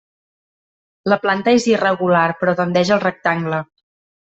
La planta és irregular però tendeix al rectangle.